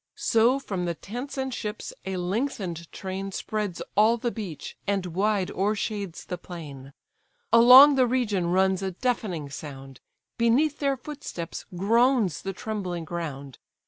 So, from the tents and ships, a lengthen'd train Spreads all the beach, and wide o'ershades the plain: Along the region runs a deafening sound; Beneath their footsteps groans the trembling ground.